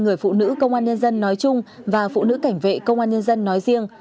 người phụ nữ công an nhân dân nói chung và phụ nữ cảnh vệ công an nhân dân nói riêng